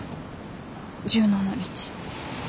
１７日。